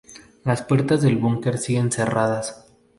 Las puertas del búnker siguen cerradas.